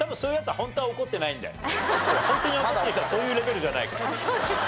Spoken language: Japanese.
ホントに怒ってる人はそういうレベルじゃないから。